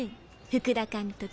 福田監督。